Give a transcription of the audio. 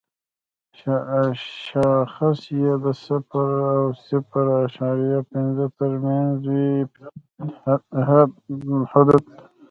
شاخص یې د صفر او صفر اعشاریه پنځه تر مینځ وي ټیټ حد دی.